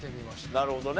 なるほどね。